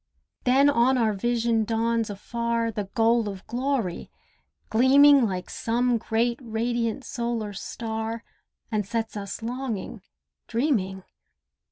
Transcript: Then on our vision dawns afar The goal of glory, gleaming Like some great radiant solar star, And sets us longing, dreaming.